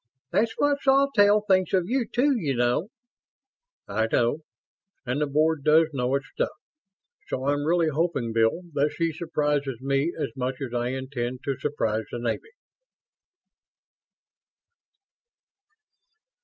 "That's what Sawtelle thinks of you, too, you know." "I know; and the Board does know its stuff. So I'm really hoping, Bill, that she surprises me as much as I intend to surprise the Navy."